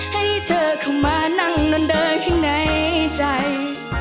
ให้เธอเข้ามานั่งเดินข้างในใจ